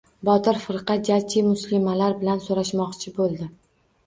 Botir firqa jajji muslimalar bilan so‘rashmoqchi bo‘ldi.